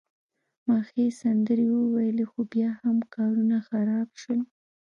ما ښې سندرې وویلي، خو بیا هم کارونه خراب شول.